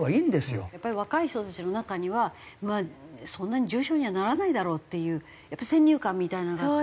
やっぱり若い人たちの中にはそんなに重症にはならないだろうっていう先入観みたいなのがあって。